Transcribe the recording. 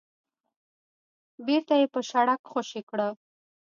بېرته يې په شړک خوشې کړه.